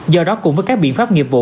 do đó cùng với các biện pháp nghiệp vụ